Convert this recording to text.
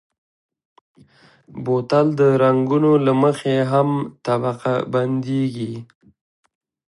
بوتل د رنګونو له مخې هم طبقه بندېږي.